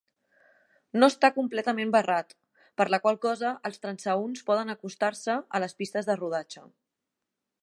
No està completament barrat, per la qual cosa els transeünts poden acostar-se a les pistes de rodatge.